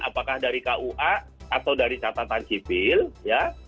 apakah dari kua atau dari catatan sipil ya